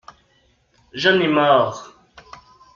J’en ai marre!